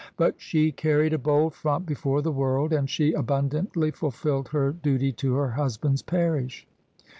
But she carried a bold front before the world, and she abundantly fulfilled her duty to her husband's parish.